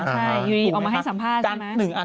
ใช่ออกมาให้สัมภาษณ์ใช่ไหม